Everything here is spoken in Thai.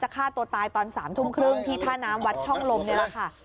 ฆ่าตัวตายตอน๓ทุ่มครึ่งที่ท่าน้ำวัดช่องลมนี่แหละค่ะ